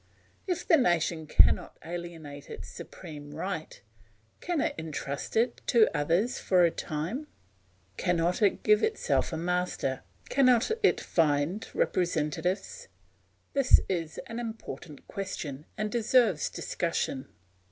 If the nation cannot alienate its supreme right, can it entrust it to others for a time? Cannot it give itself a master, cannot it find representatives? This is an important question and deserves discussion.